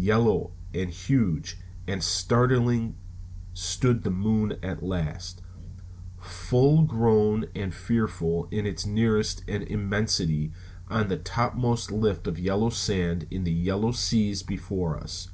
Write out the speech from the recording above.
Yellow and huge and startling stood the moon at last, full grown and fearful in its nearness and immensity on the topmost lift of yellow sands in the yellow seas before us.